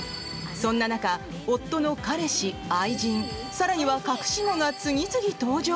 そんな中、夫の彼氏、愛人更には隠し子が次々登場。